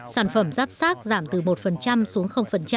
sản phẩm ráp sác giảm từ một xuống